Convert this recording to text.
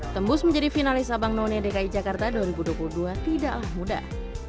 tembus menjadi finalis abang none dki jakarta dua ribu dua puluh dua tidaklah mudah